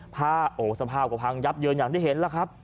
ผ้าโอ้สภาพก็พังยับเยินอย่างที่เห็นแล้วครับ